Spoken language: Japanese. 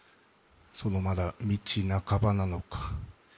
まだ道半ばなのか。